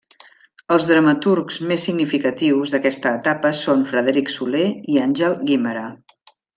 Els dramaturgs més significatius d'aquesta etapa són Frederic Soler i Àngel Guimerà.